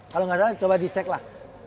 kalau nggak salah coba dicek lah